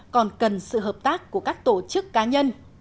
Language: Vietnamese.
còn cần sự hợp tác của các tổ chức cá nhân